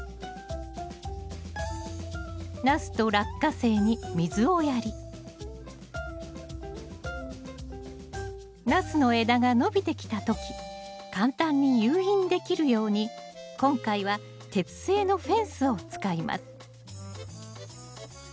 ナスとラッカセイに水をやりナスの枝が伸びてきた時簡単に誘引できるように今回は鉄製のフェンスを使います